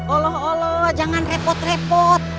allah allah jangan repot repot